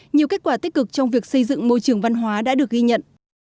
nhiều kết quả tích cực trong việc xây dựng môi trường văn hóa đã được ghi nhận